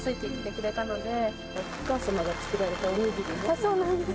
あっそうなんです。